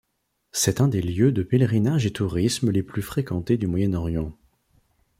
C’est un des lieux de pèlerinage et tourisme les plus fréquentés du Moyen-Orient.